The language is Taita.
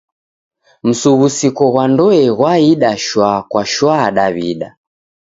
Msughusiko ghwa ndoe ghwaida shwa kwa shwa Daw'ida.